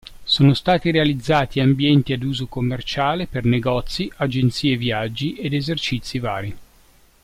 Sono stati realizzati ambienti ad uso commerciale per negozi, agenzie viaggi ed esercizi vari.